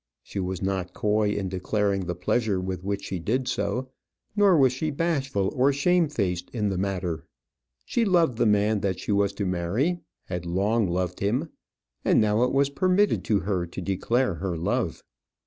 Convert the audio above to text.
She was not coy in declaring the pleasure with which she did so, nor was she bashful or shamefaced in the matter. She loved the man that she was to marry had long loved him; and now it was permitted to her to declare her love.